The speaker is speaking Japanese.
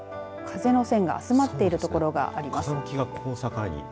風が収まっている所があります。